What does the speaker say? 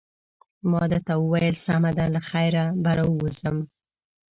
ما ده ته وویل: سمه ده، له خیره به راووځم.